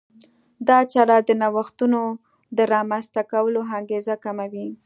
دا چاره د نوښتونو د رامنځته کولو انګېزه کموي.